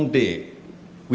kita ada enam hari